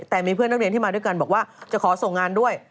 แต่มีเพื่อนนักเรียนที่มาด้วยกันบอกว่าจะขอส่งงานด้วย